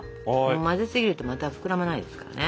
混ぜすぎるとまた膨らまないですからね。